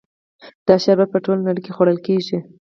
دا شربت په ټوله نړۍ کې خوړل کیږي.